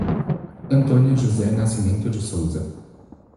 Antônio José Nascimento de Souza